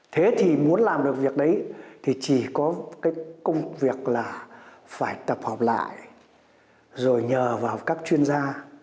thế thì muốn làm được việc đấy thì chỉ có cái công việc là phải tập hợp lại rồi nhờ vào các chuyên gia